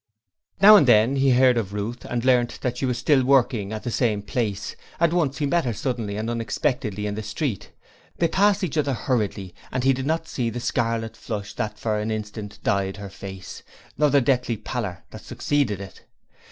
Now and then he heard of Ruth and learnt that she was still working at the same place; and once he met her suddenly and unexpectedly in the street. They passed each other hurriedly and he did not see the scarlet flush that for an instant dyed her face, nor the deathly pallor that succeeded it.